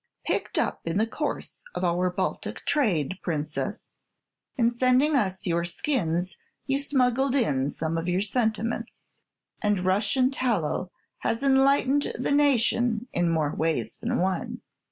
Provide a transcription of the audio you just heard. "Picked up in the course of our Baltic trade, Princess. In sending us your skins, you smuggled in some of your sentiments; and Russian tallow has enlightened the nation in more ways than one!"